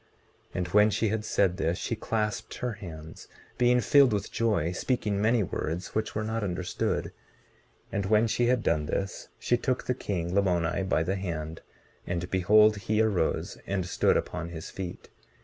19:30 And when she had said this, she clasped her hands, being filled with joy, speaking many words which were not understood; and when she had done this, she took the king, Lamoni, by the hand, and behold he arose and stood upon his feet.